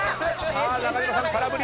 中島さん空振り。